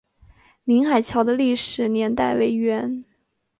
宁海桥的历史年代为元。